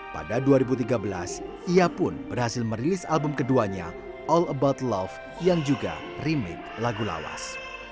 pada dua ribu tiga belas ia pun berhasil merilis album keduanya all about love yang juga remake lagu lawas